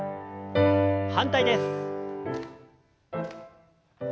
反対です。